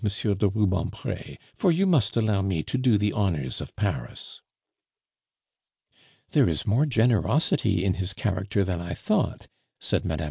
de Rubempre, for you must allow me to do the honors of Paris." "There is more generosity in his character than I thought," said Mme.